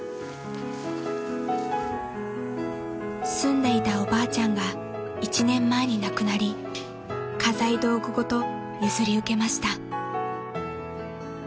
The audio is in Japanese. ［住んでいたおばあちゃんが１年前に亡くなり家財道具ごと譲り受けました］